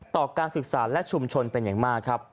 ต่อการศึกษาและชุมชนเป็นอย่างมากครับ